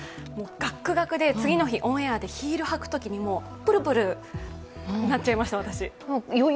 ガクガクで、次の日、オンエアでヒール履くときもうプルプルなっちゃいました、私。